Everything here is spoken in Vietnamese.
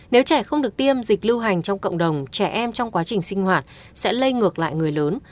nếu trẻ không được tiêm dịch lưu hành trong cộng đồng trẻ em trong quá trình sinh hoạt sẽ lây ngược lại người lớn